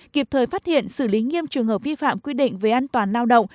kịp thời phát hiện xử lý nghiêm trường hợp vi phạm quy định về an toàn lao động